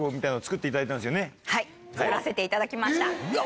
はい作らせていただきました。